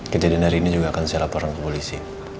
kejadian hari ini juga akan saya laporkan ke polisi